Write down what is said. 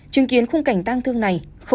chứng kiến khung cảnh tăng thương này